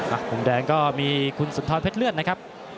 มุมแดงก็มีคุณสุนทรเพชรเลือดนะครับ